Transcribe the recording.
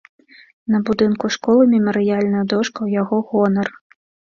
На будынку школы мемарыяльная дошка ў яго гонар.